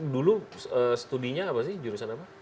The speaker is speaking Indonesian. dulu studinya apa sih jurusan apa